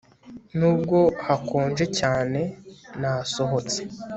Nubwo hakonje cyane nasohotse